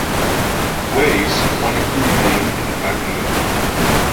Wace wanted to remain incognito.